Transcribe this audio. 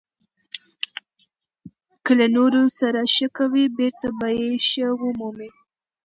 • که له نورو سره ښه کوې، بېرته به یې ښه ومومې.